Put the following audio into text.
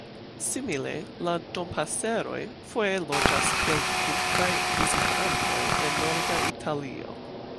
Simile la Dompaseroj foje loĝas kiel vintraj vizitantoj en norda Italio.